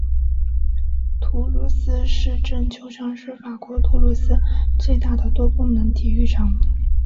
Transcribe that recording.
土鲁斯市政球场是法国土鲁斯最大的多功能体育场。